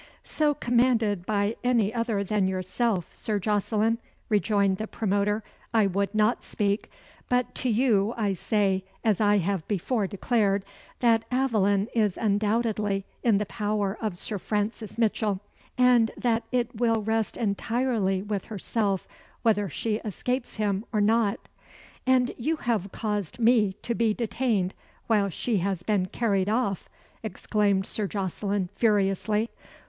"So commanded by any other than yourself, Sir Jocelyn," rejoined the promoter, "I would not speak; but to you I say, as I have before declared, that Aveline is undoubtedly in the power of Sir Francis Mitchell, and that it will rest entirely with herself whether she escapes him or not." "And you have caused me to be detained while she has been carried off," exclaimed Sir Jocelyn, furiously.